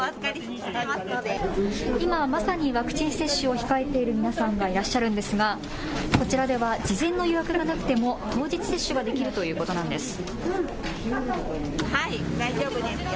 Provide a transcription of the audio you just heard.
今まさにワクチン接種を控えている皆さんがいらっしゃるんですがこちらでは事前の予約がなくても当日接種ができるということなんです。